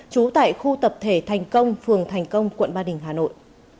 trú tại khu tập thể thành công phường thành công quận ba đình hà nội